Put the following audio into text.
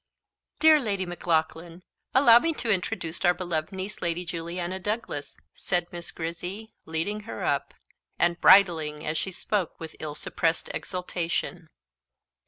"Dear Lady Maclaughlan, allow me to introduce our beloved niece, Lady Juliana Douglas," said Miss Grizzy, leading her up, and bridling as she spoke with ill suppressed exultation.